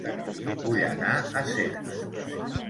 Vull anar a Cercs